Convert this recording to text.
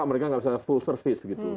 mereka nggak bisa full service gitu